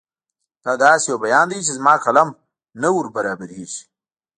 دا داسې یو بیان دی چې زما قلم نه وربرابرېږي.